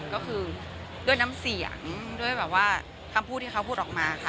ก็คือด้วยน้ำเสียงด้วยแบบว่าคำพูดที่เขาพูดออกมาค่ะ